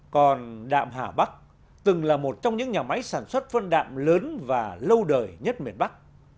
còn đạm hà bắc từng là một trong những nhà máy sản xuất phân đạm lớn và lâu đời nhất miền bắc